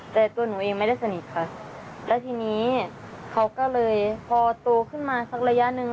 แต่ตัวหนูเองไม่ได้สนิทค่ะแล้วทีนี้เขาก็เลยพอโตขึ้นมาสักระยะหนึ่ง